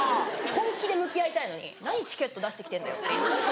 本気で向き合いたいのに何チケット出してきてんだよっていう。